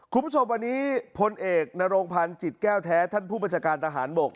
คุณผู้ชมวันนี้พลเอกนโรงพันธ์จิตแก้วแท้ท่านผู้บัญชาการทหารบก